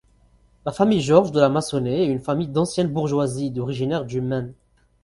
La famille George de La Massonnais est une famille d'ancienne bourgeoisie originaire du Maine.